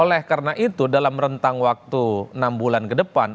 oleh karena itu dalam rentang waktu enam bulan ke depan